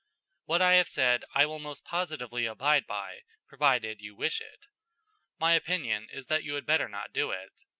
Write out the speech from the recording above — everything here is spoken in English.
What I have said I will most positively abide by, provided you wish it. My opinion is that you had better not do it.